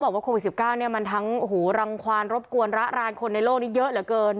บอกว่าโควิด๑๙เนี่ยมันทั้งรังความรบกวนระรานคนในโลกนี้เยอะเหลือเกิน